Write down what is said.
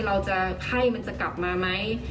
ไข้มันจะกลับมาไหม